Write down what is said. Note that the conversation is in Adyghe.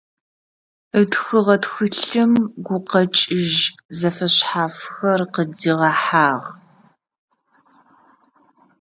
Ытхыгъэ тхылъым гукъэкӏыжь зэфэшъхьафхэр къыдигъэхьагъ.